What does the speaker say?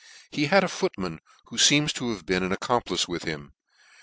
He had a footman who feems to have been an accomplice with him.